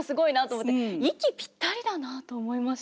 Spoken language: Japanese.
息ぴったりだなと思いました。